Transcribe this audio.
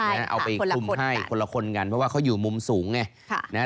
เอาไปคุมให้คนละคนกันเพราะว่าเขาอยู่มุมสูงไง